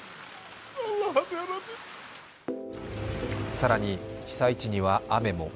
更に、被災地には雨も。